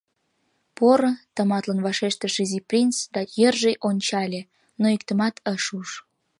— Поро, — тыматлын вашештыш Изи принц да йырже ончале, но иктымат ыш уж.